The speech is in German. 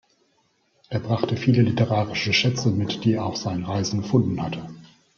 Er brachte viele literarische Schätze mit, die er auf seinen Reisen gefunden hatte.